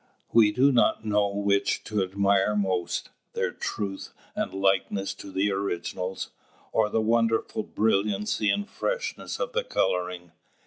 We do not know which to admire most, their truth and likeness to the originals, or the wonderful brilliancy and freshness of the colouring.